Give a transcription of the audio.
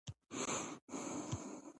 او دې باره کښې دَ ډيرو